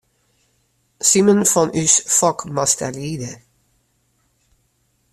Simen fan ús Fok moast dêr ride.